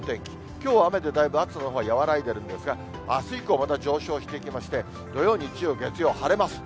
きょうは雨で、だいぶ暑さのほうが和らいでいるんですが、あす以降、また上昇していきまして、土曜、日曜、月曜、晴れます。